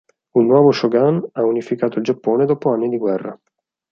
Un nuovo Shogun ha unificato il Giappone dopo anni di guerra.